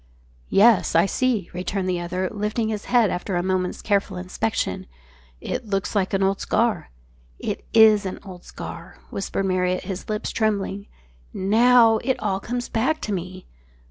"Yes, I see," returned the other, lifting his head after a moment's careful inspection. "It looks like an old scar." "It is an old scar," whispered Marriott, his lips trembling. "Now it all comes back to me."